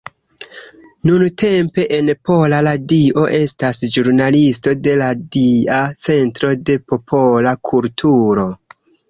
Nuntempe en Pola Radio estas ĵurnalisto de Radia Centro de Popola Kulturo.